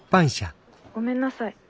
ごめんなさい。